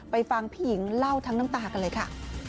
ฟังพี่หญิงเล่าทั้งน้ำตากันเลยค่ะ